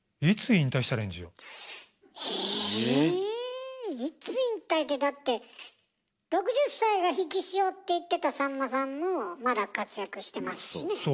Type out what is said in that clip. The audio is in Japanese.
いつ引退ってだって「６０歳が引き潮」って言ってたさんまさんもまだ活躍してますしね。